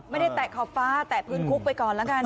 ไม่ได้แตะขอบฟ้าแตะพื้นคุกไปก่อนละกัน